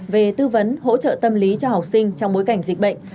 về tư vấn hỗ trợ tâm lý cho học sinh trong bối cảnh dịch bệnh